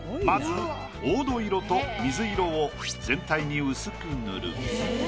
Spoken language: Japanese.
まず黄土色と水色を全体に薄く塗る。